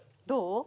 どう？